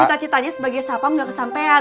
cita citanya sebagai sapam gak kesampean